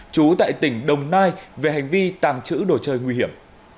trú tại tỉnh đồng nai về hành vi tàng trữ đồ chơi nguy hiểm